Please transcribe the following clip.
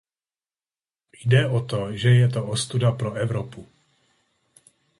Jde o to, že je to ostuda pro Evropu.